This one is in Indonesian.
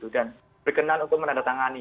dan berkenan untuk menandatangani